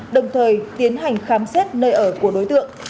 đồng thời tiến hành khám xét nơi ở của đối tượng